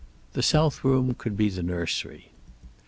The south room could be the nursery.